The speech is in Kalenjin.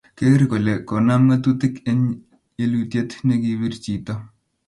keger kole konam ngátutik eng yelutiet nekipir chito